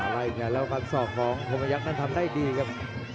ไล่อีกแล้วฟันสอบของโคมยักษ์นั้นทำได้ดีครับ